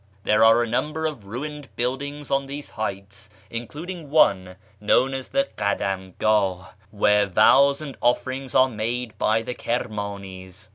There are a number of ruined buildings on these heights, including one known as the Kadam gdh, where vows and offerings are made by the Kirmanis.